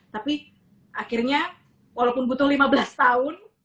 tapi akhirnya walaupun butuh lima belas tahun